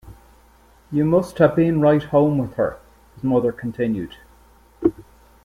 “You must have been right home with her,” his mother continued.